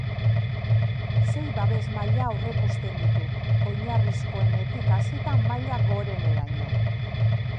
Sei babes-maila aurreikusten ditu, oinarrizkoenetik hasita maila goreneraino.